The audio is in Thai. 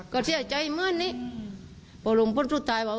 ก็เชื่อใจเหมือนนี้ป่าวลุงพ่อสุดท้ายว่าเออ